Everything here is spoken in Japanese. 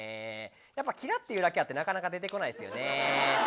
やはりキラというだけあってなかなか出てこないですね。